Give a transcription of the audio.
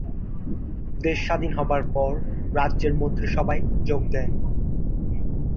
দেশ স্বাধীন হবার পর রাজ্যের মন্ত্রীসভায় যোগ দেন।